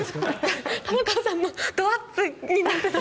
玉川さんのどアップになって。